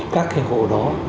các cái hồ đó